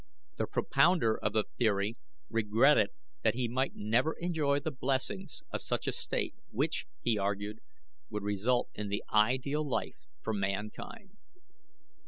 The propounder of the theory regretted that he might never enjoy the blessings of such a state, which, he argued, would result in the ideal life for mankind.